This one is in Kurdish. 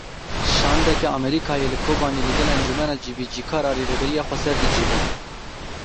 Şandeke Amerîkayê li Kobanî li gel Encûmena Cîbicîkar a Rêveberiya Xweser dicive.